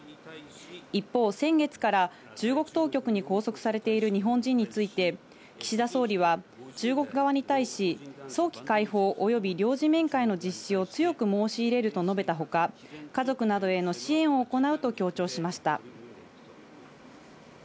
一方、先月から中国当局に拘束されている日本人について、岸田総理は中国側に対し、早期解放、及び領事面会の実施を強く申し入れると述べたほか、家族などへの支援を行うと強調しました。